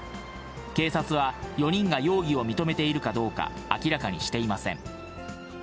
警察は、４人が容疑を認めているかどうか、明らかにしていません。